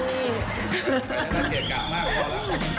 ไปแล้วนะเกรกกะมากพอแล้ว